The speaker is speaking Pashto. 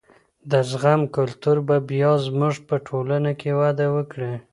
د زغم کلتور به بیا زمونږ په ټولنه کي وده وکړي.